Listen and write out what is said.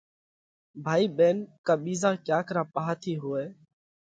ڀائِي ٻينَ ڪا ٻِيزا ڪياڪ را پاها ٿِي هوئہ۔